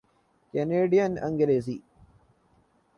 Canadian Angrezi